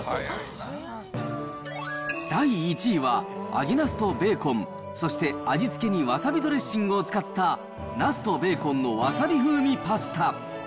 第１位は、揚げなすとベーコン、そして、味付けにわさびドレッシングを使った、なすとベーコンのわさび風味パスタ。